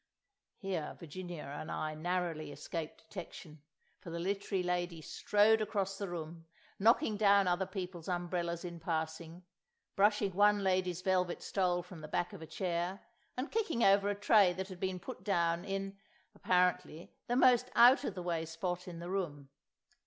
Here Virginia and I narrowly escaped detection, for the Literary Lady strode across the room, knocking down other people's umbrellas in passing, brushing one lady's velvet stole from the back of a chair, and kicking over a tray that had been put down in, apparently, the most out of the way spot in the room.